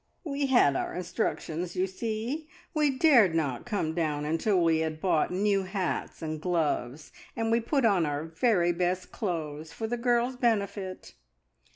"We had our instructions, you see! We dared not come down until we had bought new hats and gloves; and we put on our very best clothes for the girls' benefit."